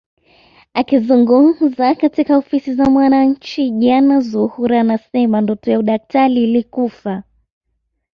Akizungumza katika ofisi za Mwananchi jana Zuhura anasema ndoto ya udaktari ilikufa